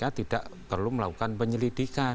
maka kpk tidak perlu melakukan penyelidikan